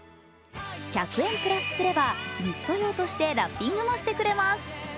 １００円プラスすればギフト用としてラッピングもしてくれます。